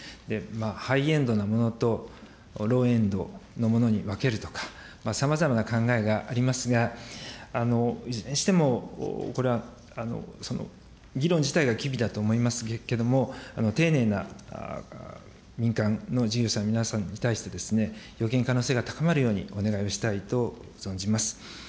ハイエンドなものと、ローエンドのものに分けるとか、さまざまな考えがありますが、いずれにしても、これは議論自体が機微だと思いますけれども、丁寧な民間の事業者の皆さんに対して、予見可能性が高まるようにお願いをしたいと存じます。